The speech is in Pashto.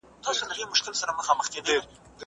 چونګښه 🐸